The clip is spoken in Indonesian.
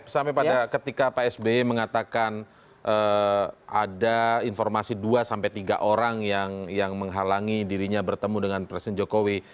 sampai pada ketika pak sby mengatakan ada informasi dua tiga orang yang menghalangi dirinya bertemu dengan presiden jokowi